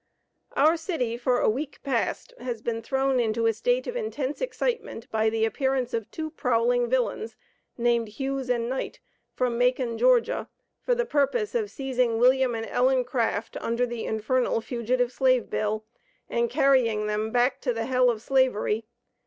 Our city, for a week past, has been thrown into a state of intense excitement by the appearance of two prowling villains, named Hughes and Knight, from Macon, Georgia, for the purpose of seizing William and Ellen Craft, under the infernal Fugitive Slave Bill, and carrying them back to the hell of Slavery.